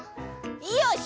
よし！